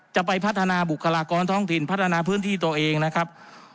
จะไปพัฒนาบุคลากรท้องถิ่นพัฒนาพื้นที่ตัวเองนะครับ